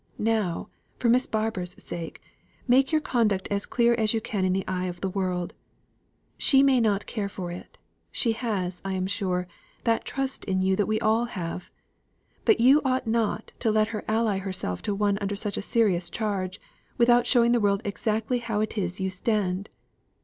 Now, for Miss Barbour's sake, make your conduct as clear as you can in the eye of the world. She may not care for it; she has, I am sure, that trust in you that we all have; but you ought not to let her ally herself to one under such a serious charge, without showing the world exactly how it is you stand.